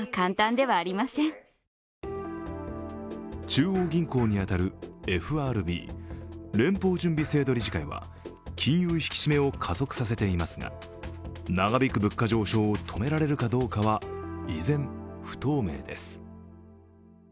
中央銀行に当たるＦＲＢ＝連邦準備制度理事会は金融引き締めを加速させていますが、長引く物価上昇を止められるかどうかは依然、不透明です。